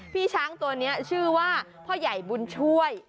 พี่ช้างตัวนี้ชื่อว่าพ่อใหญ่บุญช่วย